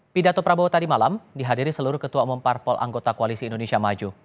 pidato prabowo tadi malam dihadiri seluruh ketua umum parpol anggota koalisi indonesia maju